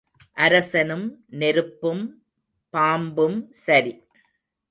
அரசனும் நெருப்பும் பாம்பும் சரி.